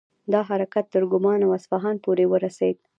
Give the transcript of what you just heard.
دا حرکت تر کرمان او اصفهان پورې ورسید.